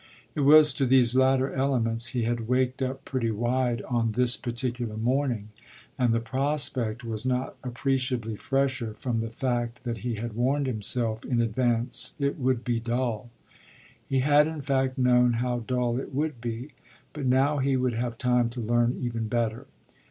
It was to these latter elements he had waked up pretty wide on this particular morning; and the prospect was not appreciably fresher from the fact that he had warned himself in advance it would be dull. He had in fact known how dull it would be, but now he would have time to learn even better.